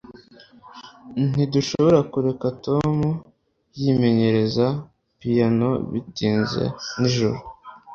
Ntidushobora kureka Tom yimenyereza piyano bitinze nijoro.